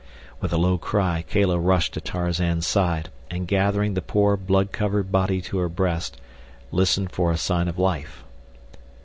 With a low cry Kala rushed to Tarzan's side, and gathering the poor, blood covered body to her breast, listened for a sign of life.